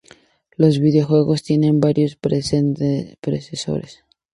Los videojuegos tienen varios predecesores.